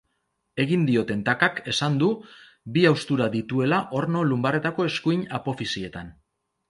Egin dioten takak esan du bi haustura dituela orno lunbarretako eskuin apofisietan.